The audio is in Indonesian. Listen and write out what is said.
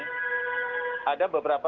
dan ada beberapa